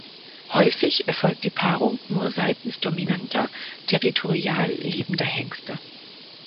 Häufig erfolgt die Paarung nur seitens dominanter, territorial lebender Hengste.